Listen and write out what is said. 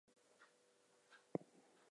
The barrel churn was also used extensively.